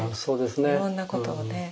いろんなことをね